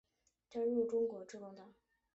加入中国致公党。